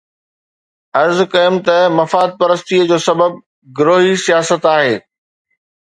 عرض ڪيم ته مفاد پرستيءَ جو سبب گروهي سياست آهي.